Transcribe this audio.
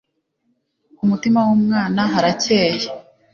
ku mutima w umwana haracyeye